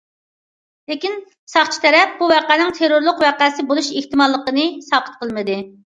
لېكىن، ساقچى تەرەپ بۇ ۋەقەنىڭ تېررورلۇق ۋەقەسى بولۇش ئېھتىماللىقىنى ساقىت قىلمىدى.